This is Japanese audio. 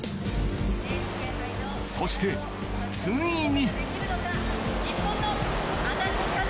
そして、ついに。